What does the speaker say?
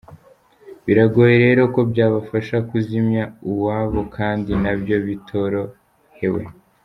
Biragoye rero ko byabafasha kuzimya uwabo kandi nabyo bitorohewe.